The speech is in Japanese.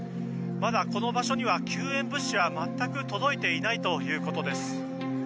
まだこの場所には救援物資は全く届いていないということです。